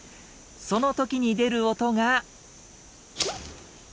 その時に出る音が。